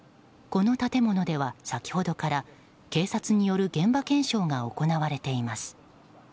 この建物では先ほどから警察による現場検証が行われています。